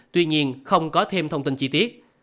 tuy nhiên không có thêm thông tin chi tiết